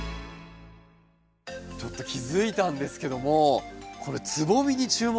ちょっと気付いたんですけどもつぼみに注目なんですよ。